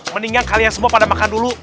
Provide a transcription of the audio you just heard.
mendingan kalian semua pada makan dulu